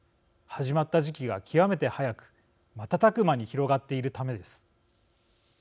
始まった時期が極めて早く瞬く間に広がっているためです。